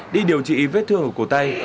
đi điều trị vết thương ở cổ tay